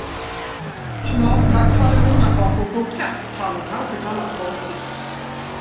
Knapra kardemummakakor kokett kan kanske kallas konstigt.